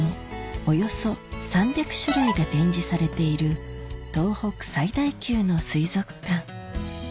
およそ３００種類が展示されている東北最大級の水族館